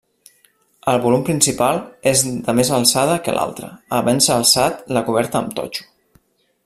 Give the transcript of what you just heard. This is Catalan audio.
El volum principal és de més alçada que l'altre, havent-se alçat la coberta amb totxo.